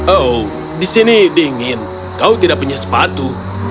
oh di sini dingin kau tidak punya sepatu